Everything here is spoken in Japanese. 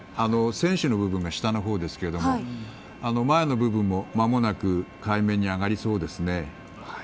船首の部分が下のほうですが前の部分もまもなく海面に上がりそうですね。